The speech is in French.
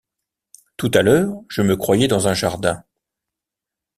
Tout à l’heure je me croyais dans un jardin...